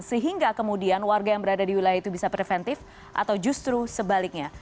sehingga kemudian warga yang berada di wilayah itu bisa preventif atau justru sebaliknya